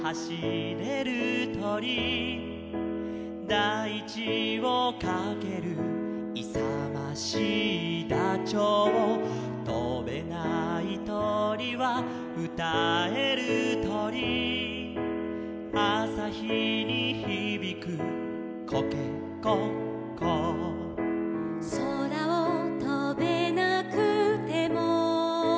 「だいちをかける」「いさましいダチョウ」「とべないとりはうたえるとり」「あさひにひびくコケコッコー」「そらをとべなくても」